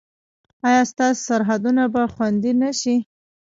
ایا ستاسو سرحدونه به خوندي نه شي؟